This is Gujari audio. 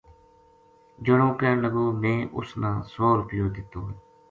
جنو کہن لگو میں اُس نا سو رُپیو دتّو ہے